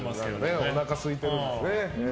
おなかすいてるんですね。